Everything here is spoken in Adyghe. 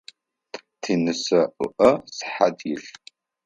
Тинысэ ыӏэ сыхьат илъ.